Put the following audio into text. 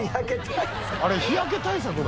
あれ日焼け対策なの？